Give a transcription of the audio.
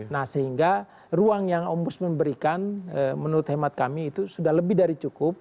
nah sehingga ruang yang ombudsman berikan menurut hemat kami itu sudah lebih dari cukup